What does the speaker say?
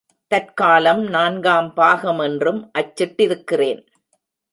தற்காலம் நான்காம் பாகமென்றும் அச்சிட்டிருக்கிறேன்.